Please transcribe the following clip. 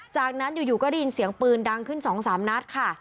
จากนั้นอยู่ก็ได้ยินเสียงปืนดังขึ้น๒๓นัดค่ะ